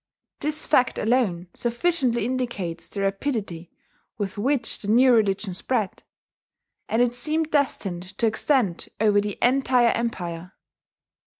This fact alone sufficiently indicates the rapidity with which the new religion spread; and it seemed destined to extend over the entire empire.